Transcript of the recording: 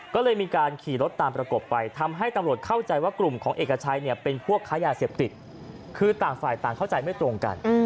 ก็เลยมีการขี่รถตามประกบไปทำให้ตำรวจเข้าใจว่ากลุ่มของเอกชัยเนี่ยเป็นพวกค้ายาเสพติดคือต่างฝ่ายต่างเข้าใจไม่ตรงกัน